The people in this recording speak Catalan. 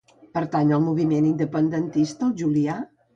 Pertany al moviment independentista el Julià?